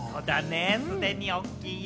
すでに大きいよ。